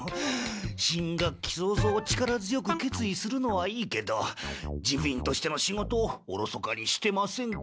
新学期早々力強く決意するのはいいけど事務員としての仕事をおろそかにしてませんか？